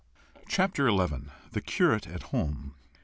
CHAPTER XI. THE CURATE AT HOME.